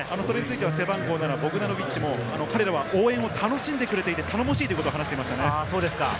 背番号７、ボグダノビッチも彼らは応援を楽しんでくれていて頼もしいと話していましたね。